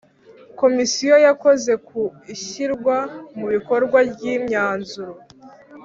komisiyo yakoze ku ishyirwa mu bikorwa ry imyanzuro